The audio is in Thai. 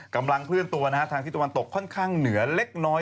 กำลังเคลื่อนตัวนะฮะทางที่ตะวันตกค่อนข้างเหนือเล็กน้อย